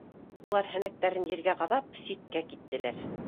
Улар, һәнәктәрен ергә ҡаҙап, ситкә киттеләр